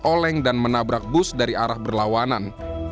oleng dan menabrak bus dari arah berlawanan